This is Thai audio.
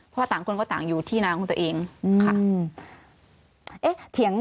เพราะต่างคนก็ต่างอยู่ที่นาของตัวเองค่ะ